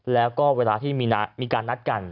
แล้วก็เวลาที่มีการนัดกัน